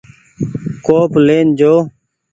ڪوپ لين جو ۔